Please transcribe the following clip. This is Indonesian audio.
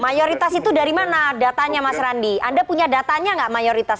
mayoritas itu dari mana datanya mas randi anda punya datanya nggak mayoritas